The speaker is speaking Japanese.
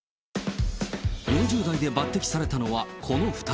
４０代で抜てきされたのはこの２人。